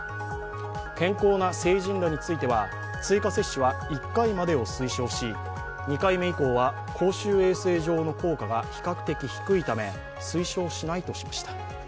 健康な成人らについては追加接種は１回までを推奨し、２回目以降は公衆衛生上の効果が比較的低いため、推奨しないとしました。